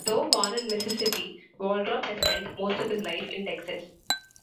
Though born in Mississippi, Waldrop has spent most of his life in Texas.